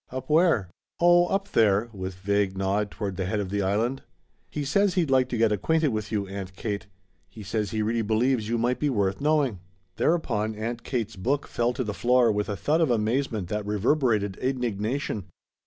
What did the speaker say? "Up where?" "Oh, up there," with vague nod toward the head of the Island. "He says he'd like to get acquainted with you, Aunt Kate. He says he really believes you might be worth knowing." Thereupon Aunt Kate's book fell to the floor with a thud of amazement that reverberated indignation.